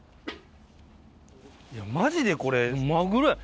まじでこれ、マグロやん。